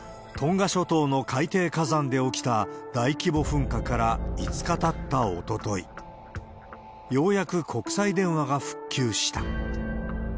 トンガ諸島の海底火山で起きた大規模噴火から５日たったおととい、ようやく国際電話が復旧した。